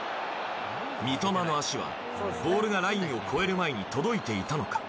三笘の足はボールがラインを越える前に届いていたのか。